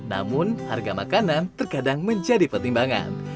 namun harga makanan terkadang menjadi pertimbangan